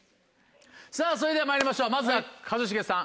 それではまいりましょうまずは一茂さん